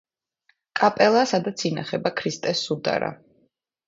კაპელა, სადაც ინახება ქრისტეს სუდარა.